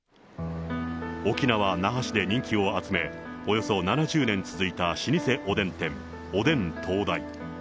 沖縄・那覇市で人気を集め、およそ７０年続いた老舗おでん店、おでん東大。